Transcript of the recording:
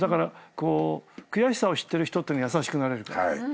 悔しさを知ってる人っていうのは優しくなれるから。